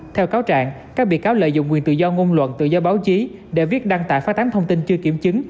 theo cáo trạng các bị cáo lợi dụng quyền tự do ngôn luận tự do báo chí để viết đăng tải phát tán thông tin chưa kiểm chứng